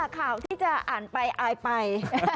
ข่าวที่จะอ่านไปอายไป